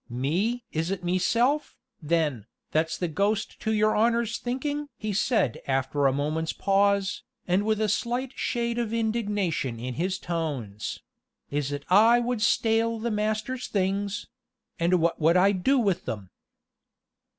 "Me? is it meself, then, that's the ghost to your honor's thinking?" said he after a moment's pause, and with a slight shade of indignation in his tones; "is it I would stale the master's things and what would I do with them?"